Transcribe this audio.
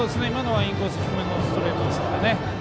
インコース低めのストレートですからね。